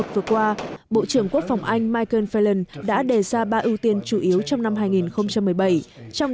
vừa qua bộ trưởng quốc phòng anh michael fillen đã đề ra ba ưu tiên chủ yếu trong năm hai nghìn một mươi bảy trong